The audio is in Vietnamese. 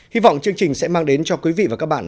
hy vọng chương trình sẽ mang đến cho quý vị và các bạn